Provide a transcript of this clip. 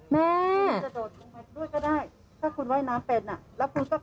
แม่